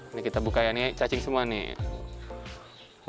ini kita buka ya ini cacing semua nih